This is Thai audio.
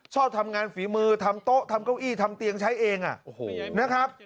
ชอบทำงานฝีมือทำโต๊ะทำเก้าอี้ทำเตียงใช้เองนะครับ